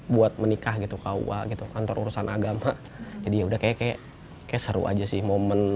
buat menikah gitu kua gitu kantor urusan agama jadi udah kayak kayak seru aja sih momen